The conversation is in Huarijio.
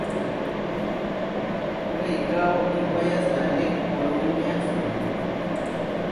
Weikáo iʼwá yasaré korónia Sonóra.